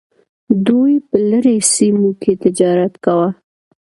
دوی په لرې سیمو کې تجارت کاوه